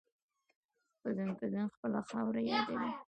په ځانکدن خپله خاوره یادوي.